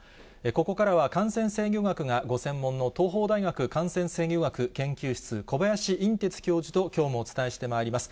ここからは感染制御学がご専門の、東邦大学感染制御学研究室、小林寅てつ教授と、きょうもお伝えしてまいります。